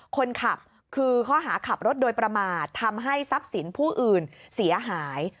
คนขับคือข้อหาขับรถโดยประมาททำให้ทรัพย์สินผู้อื่นเสียหาย